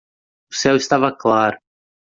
O céu estava claro.